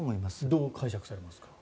どう解釈されますか？